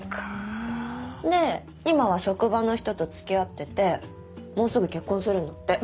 で今は職場の人と付き合っててもうすぐ結婚するんだって。